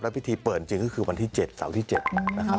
พิธีเปิดจริงก็คือวันที่๗เสาร์ที่๗นะครับ